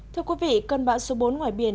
thưa quý vị cơn bão số bốn ngoài biển